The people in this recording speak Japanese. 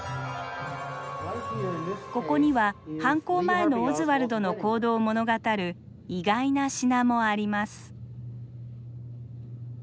ここには犯行前のオズワルドの行動を物語る意外な品もあります。